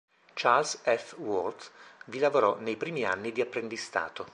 Charles F. Worth vi lavorò nei primi anni di apprendistato.